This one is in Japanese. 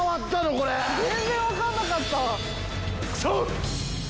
これ全然分かんなかったクソッ！